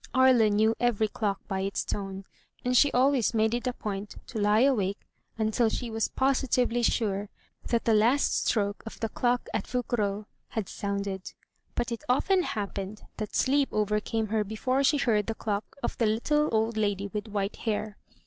Aria knew every clock by its tone, and she always made it a point to lie awake until she was positively sure that the last stroke of the clock at Vougereau had sounded; but it often happened that sleep overcame her before she heard the clock of the little old lady with white hair.